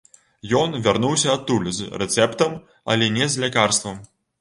Ён вярнуўся адтуль з рэцэптам, але не з лякарствам.